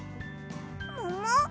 もも？